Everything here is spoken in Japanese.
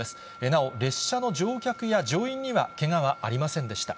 なお、列車の乗客や乗員には、けがはありませんでした。